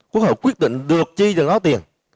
quốc hội quyết định được chi từng áo tiền